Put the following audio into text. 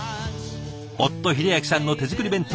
夫英明さんの手作り弁当。